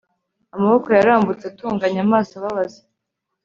Amaboko yarambutse atunganya amaso ababaza